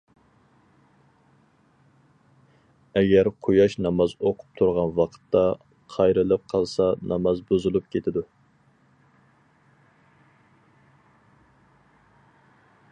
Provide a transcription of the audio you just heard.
ئەگەر قۇياش ناماز ئوقۇپ تۇرغان ۋاقىتتا قايرىلىپ قالسا، ناماز بۇزۇلۇپ كېتىدۇ.